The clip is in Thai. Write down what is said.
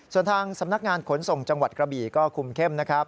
ส่วนทางสำนักงานขนส่งจังหวัดกระบี่ก็คุมเข้มนะครับ